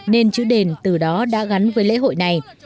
nên chữ đền từ đó đã gắn với lễ hội này